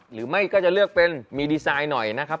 หรือไม่ก็จะเลือกเป็นมีดีไซน์หน่อยนะครับ